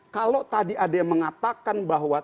kalau tadi ada yang mengatakan bahwa